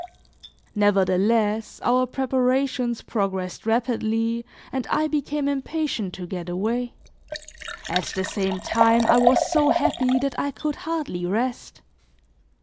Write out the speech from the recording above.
Nevertheless, our preparations progressed rapidly and I became impatient to get away; at the same time, I was so happy that I could hardly rest.